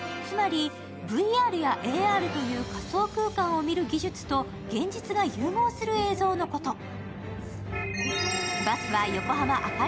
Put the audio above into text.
つまりＶＲやＡＲという仮想空間を見る技術と現実が融合する映像のこと。